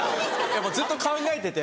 もうずっと考えてて。